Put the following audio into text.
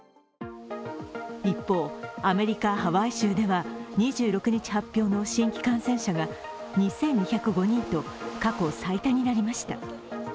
一方、アメリカ・ハワイ州では２６日発表の新規感染者が２２０５人と過去最多になりました。